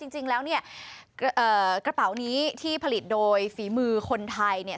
จริงแล้วเนี่ยกระเป๋านี้ที่ผลิตโดยฝีมือคนไทยเนี่ย